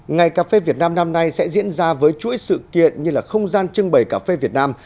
ngày cà phê việt nam năm nay sẽ diễn ra với chuỗi sự kiện như là không gian trưng bày cà phê việt nam